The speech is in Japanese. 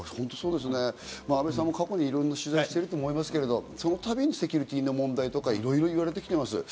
阿部さんも過去にいろんな取材をしていると思いますけど、そのたびにセキュリティーの問題とかいろいろ言われてきています。